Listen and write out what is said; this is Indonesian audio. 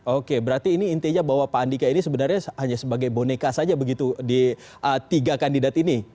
oke berarti ini intinya bahwa pak andika ini sebenarnya hanya sebagai boneka saja begitu di tiga kandidat ini